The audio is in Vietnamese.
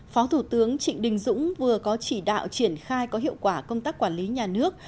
phó thủ tướng trịnh đình dũng vừa có chỉ đạo triển khai có hiệu quả công tác quản lý nhà nước